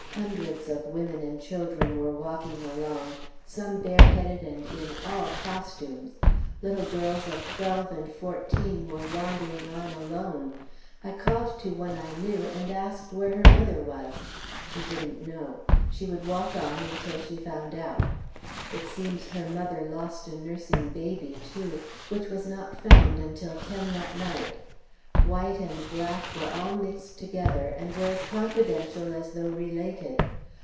Hundreds of women and children were walking along, some bareheaded, and in all costumes. Little girls of twelve and fourteen were wandering on alone. I called to one I knew, and asked where her mother was; she didn't know; she would walk on until she found out. It seems her mother lost a nursing baby, too, which was not found until ten that night. White and black were all mixed together, and were as confidential as though related.